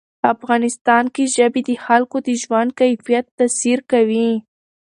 افغانستان کې ژبې د خلکو د ژوند کیفیت تاثیر کوي.